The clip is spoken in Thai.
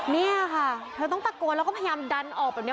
นี้ค่ะเธอต้องตะโกนแล้วพยายามดันออกเหมือนนี้